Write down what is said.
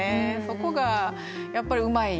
そこがやっぱりうまい。